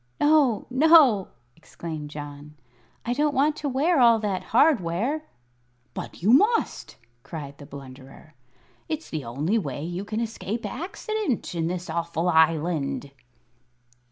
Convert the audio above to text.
"No, no!" exclaimed John. "I don't want to wear all that hardware." "But you must!" cried the Blunderer. "It's the only way you can escape accident in this awful Island."